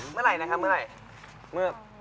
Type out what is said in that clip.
เมื่อไหร่นะครับเมื่อไหร่